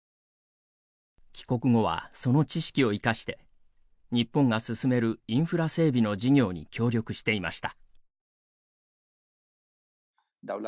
帰国後は、その知識を生かして日本が進めるインフラ整備の事業に協力していました。